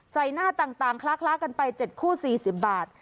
หน้าต่างคล้ากันไป๗คู่๔๐บาท